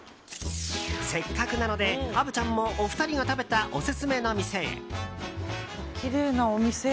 せっかくなので虻ちゃんもお二人が食べたオススメの店へ。